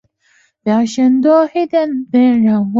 即使如此当时车票仍供不应求。